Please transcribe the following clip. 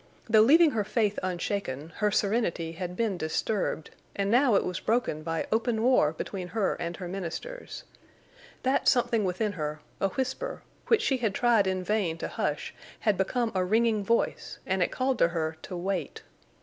Though leaving her faith unshaken, her serenity had been disturbed, and now it was broken by open war between her and her ministers. That something within her—a whisper—which she had tried in vain to hush had become a ringing voice, and it called to her to wait.